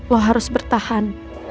lo harus bertahan